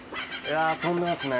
飛んでますね。